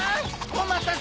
お待たせ！